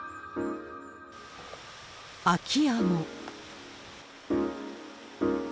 空き家も。